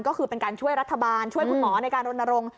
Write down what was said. ก็คือเป็นการช่วยรัฐบาลช่วยคุณหมอในการรณรงค์